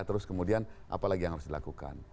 terus kemudian apalagi yang harus dilakukan